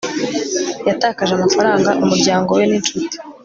yatakaje amafaranga, umuryango we n'inshuti